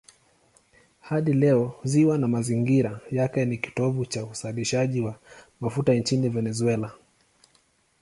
Hadi leo ziwa na mazingira yake ni kitovu cha uzalishaji wa mafuta nchini Venezuela.